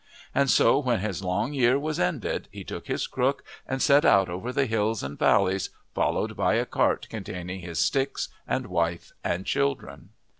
And so when his long year was ended he took his crook and set out over the hills and valleys, followed by a cart containing his "sticks" and wife and children.